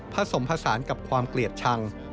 ผสมผสานกับความเกลียดชัง